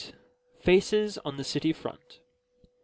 FACES ON THE CITY FRONT.